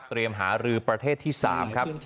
หารือประเทศที่๓ครับ